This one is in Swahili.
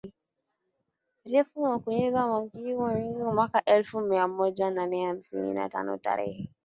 refu Mkwavinyika Munyigumba Mwamuyinga mwaka elfu moja mia nane hamsini na tano hadi tarehe